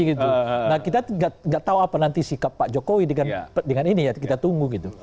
nah kita nggak tahu apa nanti sikap pak jokowi dengan ini ya kita tunggu gitu